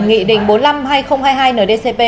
nghị định bốn trăm năm mươi hai nghìn hai mươi hai nldcp